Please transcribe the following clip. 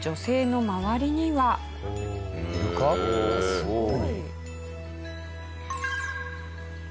すごい。